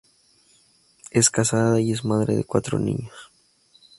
Es casada y es madre de cuatro niños.